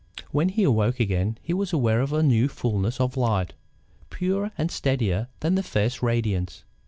When he awoke again, he was aware of a new fulness of light, purer and steadier than the first radiance.